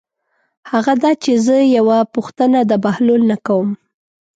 هغه دا چې زه یوه پوښتنه د بهلول نه کوم.